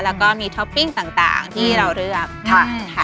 แล้วก็มีท็อปปิ้งต่างที่เราเลือกค่ะ